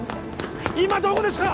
今どこですか？